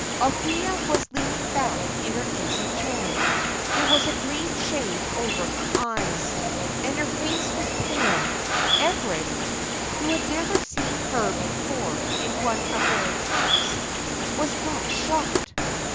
Althea was leaning back in her easy chair. There was a green shade over her eyes, and her face was pale. Everard, who had never seen her before in one of her attacks, was much shocked.